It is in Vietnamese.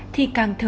thì càng khó thở